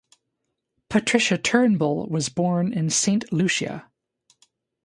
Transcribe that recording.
Patricia Turnbull was born in Saint Lucia.